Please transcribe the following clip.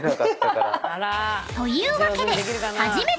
［というわけで］